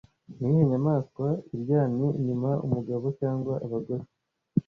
Niyihe nyamaswa iryamye inyuma Umugabo cyangwa abagore